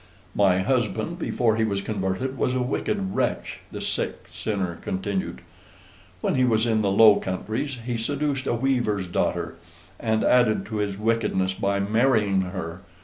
"My husband, before he was converted, was a wicked wretch," the sick sinner continued. "When he was in the Low Countries he seduced a weaver's daughter; and added to his wickedness by marrying her.